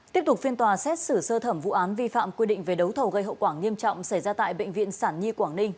tiếp tục phiên tòa xét xử sơ thẩm vụ án vi phạm quy định về đấu thầu gây hậu quả nghiêm trọng xảy ra tại bệnh viện sản nhi quảng ninh